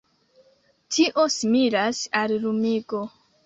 Tio similas al lumigo.